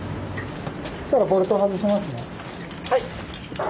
はい。